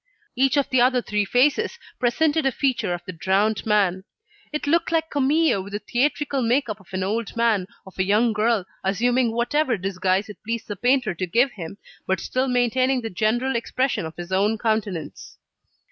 Each of the other three faces presented a feature of the drowned man. It looked like Camille with the theatrical make up of an old man, of a young girl, assuming whatever disguise it pleased the painter to give him, but still maintaining the general expression of his own countenance.